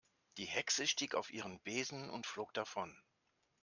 Die Hexe stieg auf ihren Besen und flog davon.